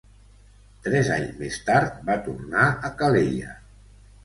Tres anys més tard va tornar a Calella.